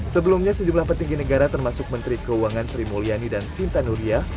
sebelumnya sejumlah petinggi negara termasuk menteri keuangan sri mulyani dan sinta nuria